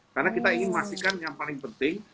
karena kita ingin memastikan yang paling penting